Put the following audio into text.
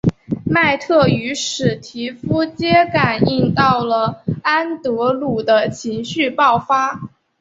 麦特与史提夫皆感应到了安德鲁的情绪爆发。